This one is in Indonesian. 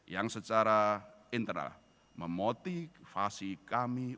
yang secara internal memotivasi kami